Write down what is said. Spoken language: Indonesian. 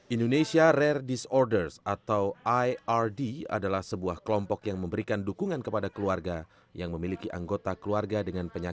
indonesia rare disorders atau ird adalah sebuah kelompok yang memberikan dukungan kepada penyakit yang terkenal di negara dan di negara lainnya